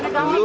main ke rumah